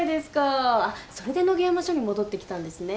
あっそれで野毛山署に戻ってきたんですね。